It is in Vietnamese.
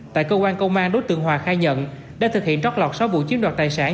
tại cơ quan công an đối tượng hòa khai nhận đã thực hiện trót lọt sáu vụ chiếm đoạt tài sản